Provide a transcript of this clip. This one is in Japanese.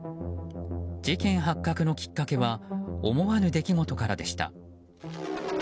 事件発覚のきっかけは思わぬ出来事からでした。